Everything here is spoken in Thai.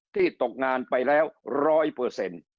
ตกงานไปแล้วร้อยเปอร์เซ็นต์